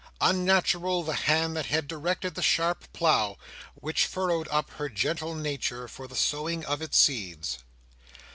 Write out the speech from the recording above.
Unnatural the hand that had directed the sharp plough, which furrowed up her gentle nature for the sowing of its seeds!